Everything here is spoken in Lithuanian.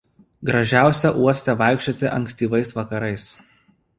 Gražiausia uoste vaikščioti ankstyvais vakarais.